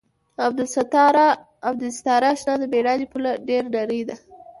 عبدالستاره اشنا د مېړانې پوله ډېره نرۍ ده.